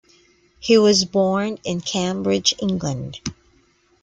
He was born in Cambridge, England.